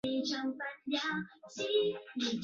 海南野桐为大戟科野桐属下的一个种。